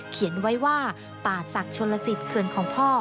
เขียนไว้ว่าป่าศักดิ์ชนลสิทธิเขื่อนของพ่อ